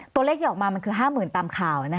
ตัวเลขที่ออกมามันคือ๕๐๐๐๐บาทตามข่าวนะครับ